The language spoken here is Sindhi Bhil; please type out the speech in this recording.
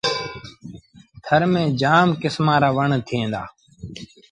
ٿر ميݩ جآم ڪسمآݩ رآ وڻ ٿئيٚݩ دآ۔